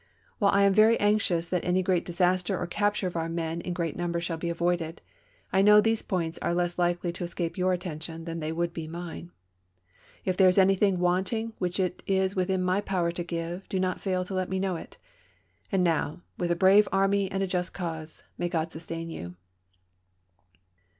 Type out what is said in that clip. While I am very anxious that any gi eat disaster or captui'e of oui' men in great numbers shall be avoided, I know these points are less hkely to escape your attention than they would be mine. K there is anything wanting which is within my power to give, do not fail to let me know it. And now, with a brave army and ^Grant.*" a just cause, may God sustain you."